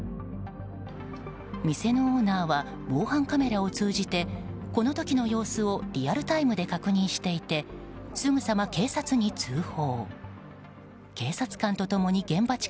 店のオーナーは防犯カメラを通じてこの時の様子をリアルタイムで確認していてすぐさま警察に通報。